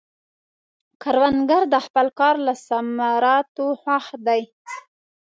کروندګر د خپل کار له ثمراتو خوښ دی